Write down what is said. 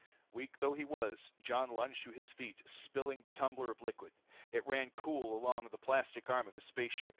Weak though he was Jon lunged to his feet, spilling the tumbler of liquid. It ran cool along the plastic arm of his space suit.